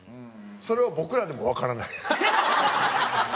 それは僕らでもわからない。